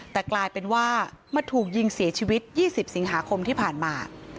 แต่กลายเป็นว่ามาถูกยิงเสียชีวิต๒๐สิงหาคมที่ผ่านมา